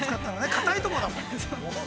硬いとこだもん。